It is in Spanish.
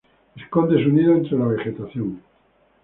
Esconde su nido entre la vegetación.